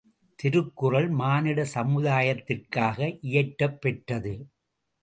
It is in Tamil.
திருக்குறள் மானிட சமுதாயத்திற்காக இயற்றப் பெற்றது.